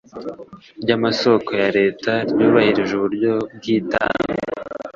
ry amasoko ya leta ryubahirije uburyo bw itangwa